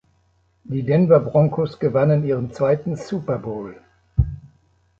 Die Denver Broncos gewannen ihren zweiten Super Bowl.